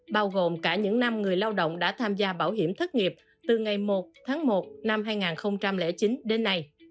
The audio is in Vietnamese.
bao gồm cả những năm người lao động đã tham gia bảo hiểm thất nghiệp từ ngày một tháng một năm hai nghìn chín đến nay